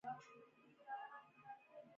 بودجه ولې عادلانه وي؟